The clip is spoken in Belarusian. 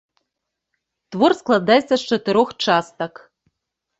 Твор складаецца з чатырох частак.